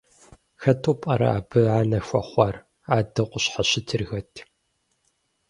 Хэту пӏэрэ абы анэ хуэхъуар, адэу къыщхьэщытыр хэт?